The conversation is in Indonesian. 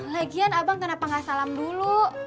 lagian abang kenapa gak salam dulu